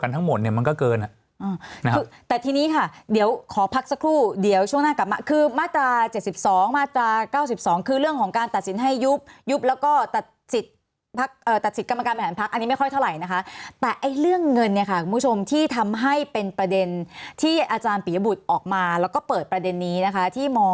แต่ทีนี้ค่ะเดี๋ยวขอพักสักครู่เดี๋ยวช่วงหน้ากลับมาคือมาตราเจ็ดสิบสองมาตราเก้าสิบสองคือเรื่องของการตัดสินให้ยุบยุบแล้วก็ตัดจิตพักเอ่อตัดจิตกรรมการแบบอันพักอันนี้ไม่ค่อยเท่าไหร่นะคะแต่ไอ้เรื่องเงินเนี้ยค่ะคุณผู้ชมที่ทำให้เป็นประเด็นที่อาจารย์เปียบุตรออกมาแล้วก็เปิดประเด็